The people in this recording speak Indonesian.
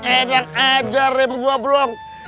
eh jangan aja rem gua blong